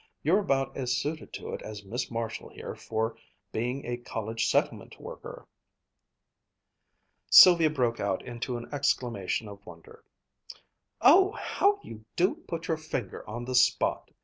You're about as suited to it as Miss Marshall here for being a college settlement worker!" Sylvia broke out into an exclamation of wonder. "Oh, how you do put your finger on the spot!